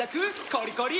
コリコリ！